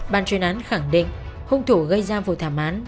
ban chuyên án khẳng định hung thủ gây ra vụ thảm án